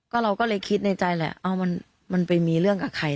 ก็เราก็เลยคิดในใจแหละเอามันไปมีเรื่องกับใคร